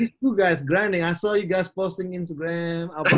saya seperti ini dua orang menyerang saya lihat kalian berdua